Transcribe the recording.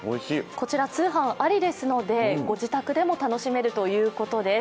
こちら通販ありですので、ご自宅でも楽しめるということです。